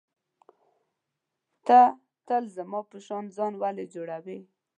ته تل زما په شان ځان ولي جوړوې.